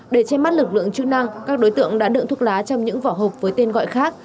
để che mắt lực lượng chức năng các đối tượng đã đựng thuốc lá trong những vỏ hộp với tên gọi khác